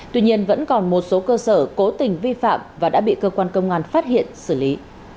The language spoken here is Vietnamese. tuy nhiên vẫn còn một số cơ sở cố tình vi phạm và đã bị cơ quan công an phát hiện xử lý